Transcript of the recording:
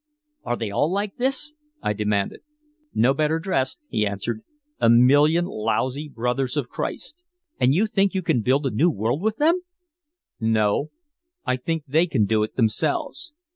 "Are they all like these?" I demanded. "No better dressed," he answered. "A million lousy brothers of Christ." "And you think you can build a new world with them?" "No I think they can do it themselves."